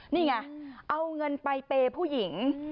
นี่ไงเอาเงินไปเปย์ผู้หญิง